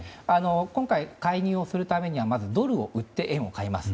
今回、介入をするためにはまずドルを売って円を買います。